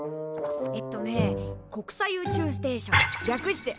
えっとね国際宇宙ステーション略してＩＳＳ。